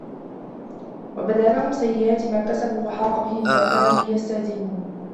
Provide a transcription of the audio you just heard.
وَبَدا لَهُم سَيِّئَاتُ ما كَسَبوا وَحاقَ بِهِم ما كانوا بِهِ يَستَهزِئونَ